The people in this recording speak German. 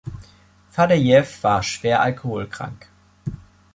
Fadejew war schwer alkoholkrank.